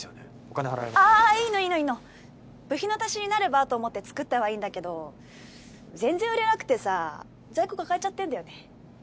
お金払いますああーいいのいいのいいの部費の足しになればと思って作ったはいいんだけど全然売れなくてさ在庫抱えちゃってんだよね